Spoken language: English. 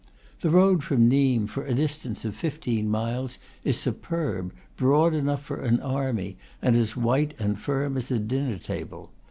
The road from Nimes, for a distance of fifteen miles, is superb; broad enough for an army, and as white and firm as a dinner table.